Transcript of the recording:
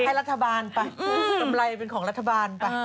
ให้รัฐบาลไปกำไรเป็นของรัฐบาลไป